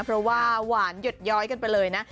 เพราะว่าหวานหยดย้อยกันไปเลยนะ